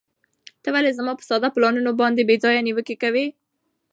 ته ولې زما په ساده پلانونو باندې بې ځایه نیوکې کوې؟